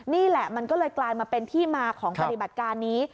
นี่แหละมันก็เลยกลายมาเป็นที่มาของปฏิบัติการนี้